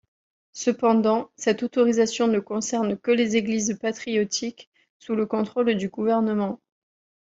Cependant, cette autorisation ne concerne que les églises patriotiques sous le contrôle du gouvernement.